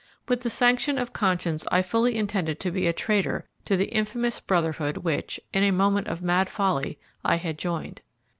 With the sanction of conscience I fully intended to be a traitor to the infamous Brotherhood which, in a moment of mad folly, I had joined.